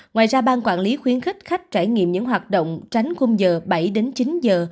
ngoài ra bang quản lý khuyến khích khách trải nghiệm những hoạt động tránh khung giờ bảy đến chín giờ